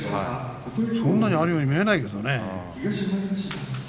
そんなにあるように見えないけどね。